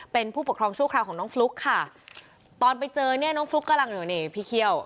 เป็นผู้ปกครองชั่วคราวของน้องฟลุ๊กค่ะตอนไปเจอเนี่ยน้องฟลุ๊กกำลังอยู่นี่พี่เคี่ยว